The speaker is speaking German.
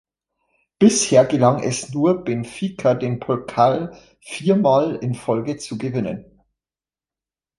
Bisher gelang es nur Benfica den Pokal viermal in Folge zu gewinnen.